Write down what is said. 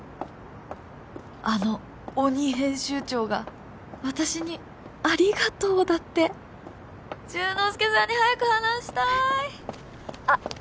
あの鬼編集長が私に「ありがとう」だって潤之介さんに早く話したいあっ